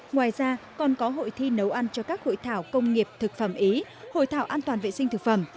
ngoài ra còn có hội thi nấu ăn cho các hội thảo công nghiệp thực phẩm ý hội thảo an toàn vệ sinh thực phẩm